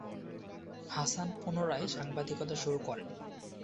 হাসান পুনরায় সাংবাদিকতা শুরু করেন।